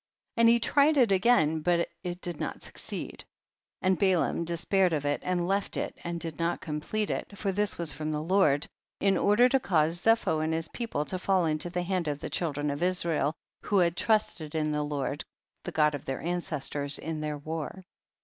29. And he tried it again but it did not succeed, and Balaam despair ed of it and left it and did not com plete it, for this was from the Lord, in order to cause Zepho and his peo ple to fall into the hand of the chil dren of Israel, who had trusted in the Lord, the God of their ancestors, in their war.